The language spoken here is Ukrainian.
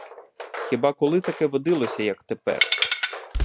Хіба коли таке водилося, як тепер?